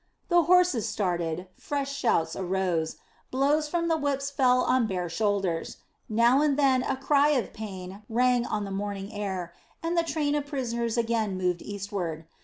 The horses started, fresh shouts arose, blows from the whips fell on bare shoulders, now and then a cry of pain rang on the morning air, and the train of prisoners again moved eastward.